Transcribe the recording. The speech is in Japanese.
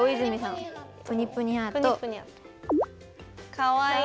かわいい。